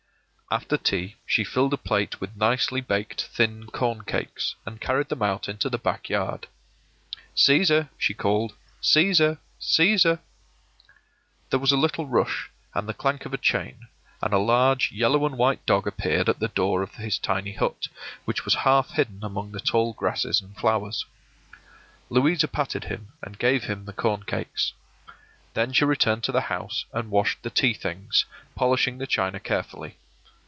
After tea she filled a plate with nicely baked thin corn cakes, and carried them out into the back yard. “Cæsar!” she called. “Cæsar! Cæsar!” There was a little rush, and the clank of a chain, and a large yellow and white dog appeared at the door of his tiny hut, which was half hidden among the tall grasses and flowers. Louisa patted him and gave him the corn cakes. Then she returned to the house and washed the tea things, polishing the china carefully.